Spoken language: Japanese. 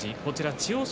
千代翔